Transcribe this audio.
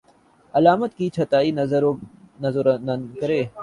علامات کی چھٹائی نظرانداز کریں